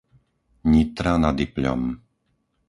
Nitra nad Ipľom